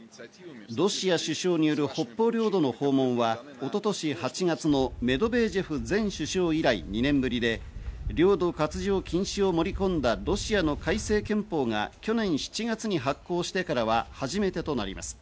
ロシア首相による北方領土の訪問は一昨年８月のメドベージェフ前首相以来２年ぶりで領土割譲禁止を盛り込んだロシアの改正憲法が去年７月に発行してからは初めてとなります。